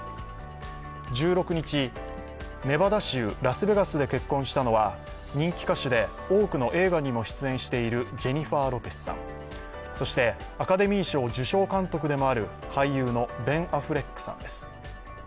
１６日、ネバダ州ラスベガスで結婚したのは人気歌手で多くの映画にも出演しているジェニファー・ロペスさん、そしてアカデミー賞受賞監督でもある俳優のベン・アフレックさんです。